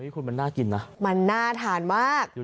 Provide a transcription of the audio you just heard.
คุณมันน่ากินนะมันน่าทานมาก